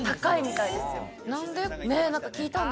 何で？